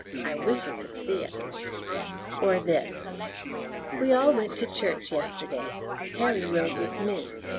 I wish you could see it." Or this: We all went to church yesterday. Harry rode with me.